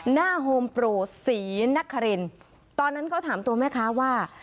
โฮมโปรศรีนครินตอนนั้นเขาถามตัวแม่ค้าว่า